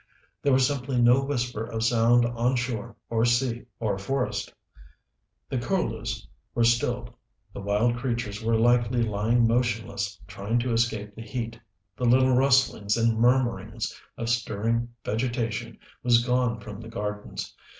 There was simply no whisper of sound on shore or sea or forest. The curlews were stilled, the wild creatures were likely lying motionless, trying to escape the heat, the little rustlings and murmurings of stirring vegetation was gone from the gardens.